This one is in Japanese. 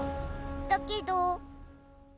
だけど。